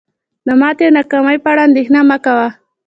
د ماتې او ناکامۍ په اړه اندیښنه مه کوه.